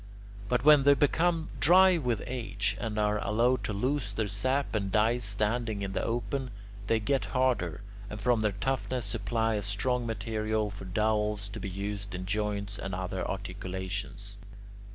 But when they become dry with age, or are allowed to lose their sap and die standing in the open, they get harder, and from their toughness supply a strong material for dowels to be used in joints and other articulations.